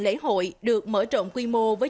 lễ hội được mở trộn quy mô với